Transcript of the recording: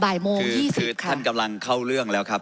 บ่ายโมงยี่สิบครับค่ะค่ะค่อยกำลังเข้าเรื่องแล้วครับ